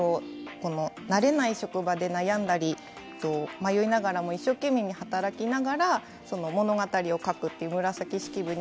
慣れない職場で悩んだり迷いながらも一生懸命に働きながら物語を書くという紫式部に